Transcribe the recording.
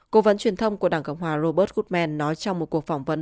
cố vấn truyền thông của đảng cộng hòa robert gudman nói trong một cuộc phỏng vấn